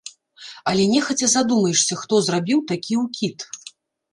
Але нехаця задумаешся, хто зрабіў такі ўкід.